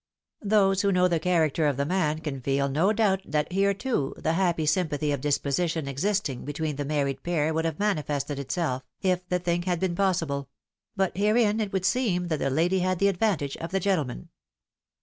Those who know the character of the man can feel no doubt that here, too, the happy sympathy of disposition existing between the married pair would have manifested itself, if the thing had been possible ; but herein it would seem that the lady had the advantage of the gentleman.